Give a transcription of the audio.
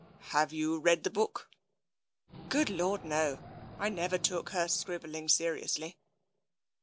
u Have you read the book ?"" Good Lord, no ! I never took her scribbling se riously."